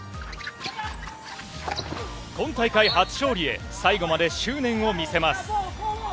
今大会初勝利へ、最後まで執念を見せます。